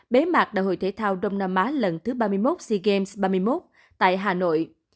bế mạc đại hội thể thao đông nam á lần thứ ba mươi một sea games ba mươi một tại hà nội